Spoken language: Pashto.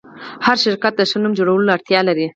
هر شرکت د ښه نوم جوړولو اړتیا لري.